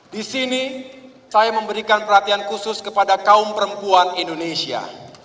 di sini saya memberikan perhatian khusus kepada kaum perempuan indonesia